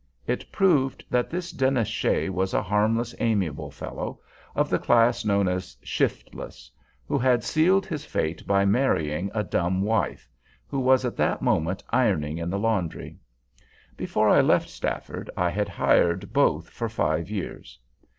It proved that this Dennis Shea was a harmless, amiable fellow, of the class known as shiftless, who had sealed his fate by marrying a dumb wife, who was at that moment ironing in the laundry. Before I left Stafford, I had hired both for five years.